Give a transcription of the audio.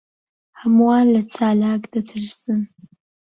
ھەمووان لە چالاک دەترسن.